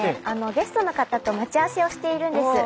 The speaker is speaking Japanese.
ゲストの方と待ち合わせをしているんです。